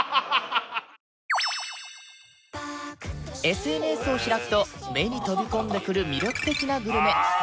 ＳＮＳ を開くと目に飛び込んでくる魅力的なグルメ